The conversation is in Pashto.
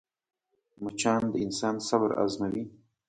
مچان د انسان صبر ازموي